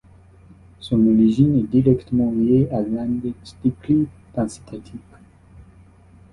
Son origine est directement liée à l'index décrit dans cet article.